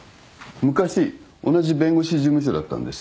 昔同じ弁護士事務所だったんです。